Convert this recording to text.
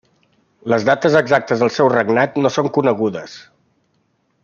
Les dates exactes del seu regnat no són conegudes.